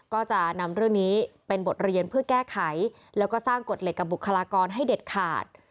ก็จะนำเรื่องนี้เป็นบทเรียนเพื่อแก้ไขแล้วก็สร้างกฎเหล็กกับบุคลากรให้เด็ดขาด